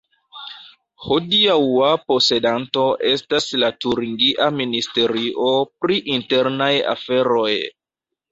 Hodiaŭa posedanto estas la turingia ministerio pri internaj aferoj.